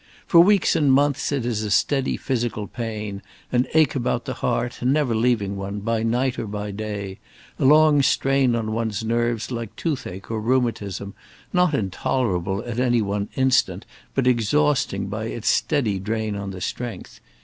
For weeks and months it is a steady physical pain, an ache about the heart, never leaving one, by night or by day; a long strain on one's nerves like toothache or rheumatism, not intolerable at any one instant, but exhausting by its steady drain on the strength.